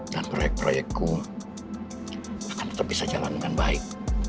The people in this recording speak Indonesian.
dan proyek proyekku akan tetep bisa jalan dengan baik